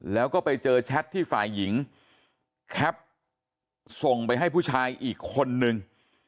แล้วก็ไปเจอแชทที่ฝ่ายหญิงแคปส่งไปให้ผู้ชายอีกคนนึง